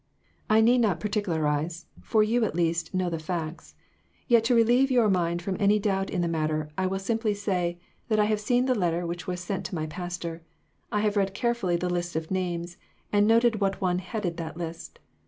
I need not particularize, for you at least, know the facts; yet to relieve your mind from any doubt in the matter I will simply say, that I have seen the letter which was sent to my pastor, I have read carefully the list of names, and noted what one headed that list.